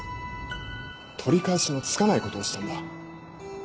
取り返しのつかないことをしたんだ。